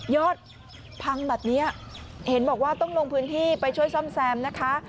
พังแบบนี้เห็นบอกว่าต้องลงพื้นที่ไปช่วยซ่อมแซมนะคะ